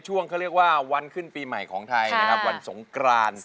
ทำบุญตาคุณบาส